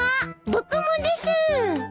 僕もです！